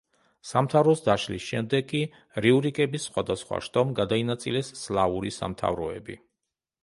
სამთავროს დაშლის შემდეგ კი რიურიკების სხვადასხვა შტომ გადაინაწილეს სლავური სამთავროები.